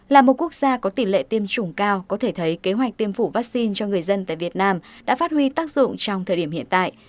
là một quốc gia có tỷ lệ tiêm chủng cao có thể thấy kế hoạch tiêm chủng vaccine cho người dân tại việt nam đã phát huy tác dụng trong thời điểm hiện tại